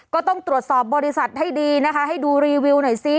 ก็ต้องตรวจสอบบริษัทให้ดีนะคะให้ดูรีวิวหน่อยซิ